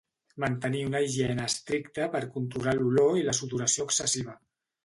Mantenir una higiene estricta per controlar l'olor i la sudoració excessiva.